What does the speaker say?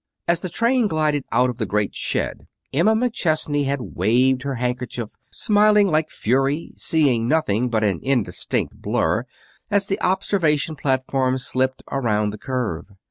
As the train glided out of the great shed Emma McChesney had waved her handkerchief, smiling like fury and seeing nothing but an indistinct blur as the observation platform slipped around the curve.